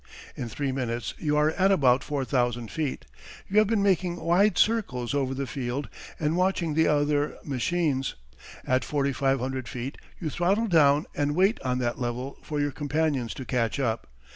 In three minutes you are at about four thousand feet. You have been making wide circles over the field and watching the other machines. At forty five hundred feet you throttle down and wait on that level for your companions to catch up.